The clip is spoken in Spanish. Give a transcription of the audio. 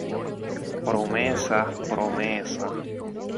Promesas, promesas.